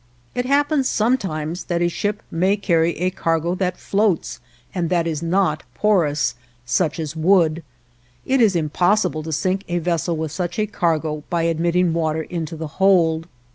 It happens sometimes that a ship may carry a cargo that floats and that is not porous, such as wood. It is impossible to sink a vessel with such a cargo by admitting water into the hold.